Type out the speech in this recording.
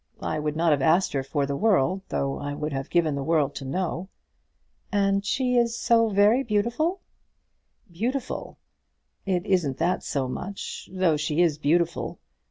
I would not have asked her for the world, though I would have given the world to know." "And she is so very beautiful?" "Beautiful! It isn't that so much; though she is beautiful.